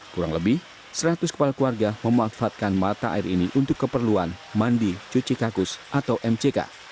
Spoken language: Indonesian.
kurang lebih seratus kepala keluarga memanfaatkan mata air ini untuk keperluan mandi cuci kakus atau mck